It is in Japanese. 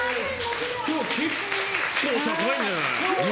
今日、高いんじゃない？